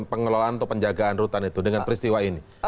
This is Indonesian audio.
pengelolaan atau penjagaan rutan itu dengan peristiwa ini